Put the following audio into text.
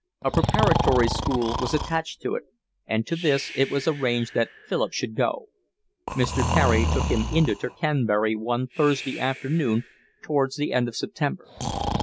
A preparatory school was attached to it, and to this it was arranged that Philip should go. Mr. Carey took him into Tercanbury one Thursday afternoon towards the end of September.